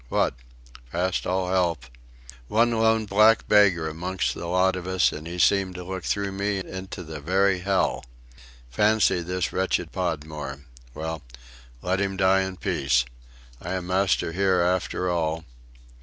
What? Past all help. One lone black beggar amongst the lot of us, and he seemed to look through me into the very hell. Fancy, this wretched Podmore! Well, let him die in peace. I am master here after all.